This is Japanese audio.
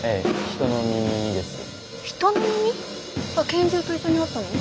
人の耳？が拳銃と一緒にあったの？